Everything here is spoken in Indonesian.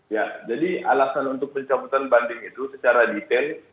ya jadi alasan untuk pencabutan banding itu secara detail